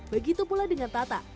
begitu pula dengan tata